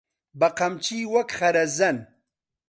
بەقەمچی وەک خەرەزەن